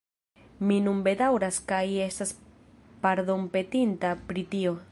Mi nun bedaŭras kaj estas pardonpetinta pri tio.